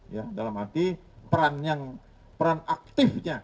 ya dalam arti peran yang peran aktifnya